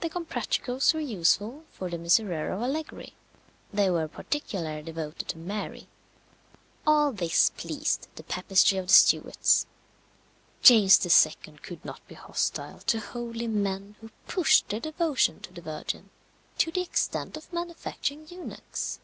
The Comprachicos were useful for the Miserere of Allegri. They were particularly devoted to Mary. All this pleased the papistry of the Stuarts. James II. could not be hostile to holy men who pushed their devotion to the Virgin to the extent of manufacturing eunuchs.